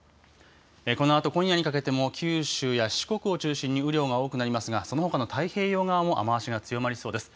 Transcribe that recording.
このあと今夜にかけても、九州や四国を中心に雨量が多くなりますが、そのほかの太平洋側も雨足が強まりそうです。